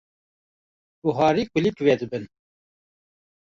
Buharî kulîlk vedibin.